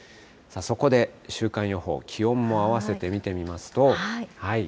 そこで、週間予報、気温もあわせて見てみますと。